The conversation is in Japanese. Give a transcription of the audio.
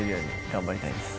頑張りたいです。